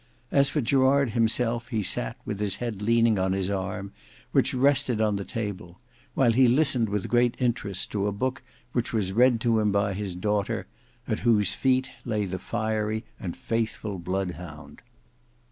As for Gerard himself he sat with his head leaning on his arm, which rested on the table, while he listened with great interest to a book which was read to him by his daughter, at whose feet lay the fiery and faithful bloodhound.